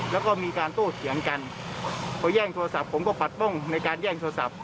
แล้วก็มีการโต้เถียงกันพอแย่งโทรศัพท์ผมก็ปัดป้องในการแย่งโทรศัพท์